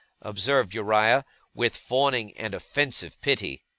observed Uriah, with fawning and offensive pity.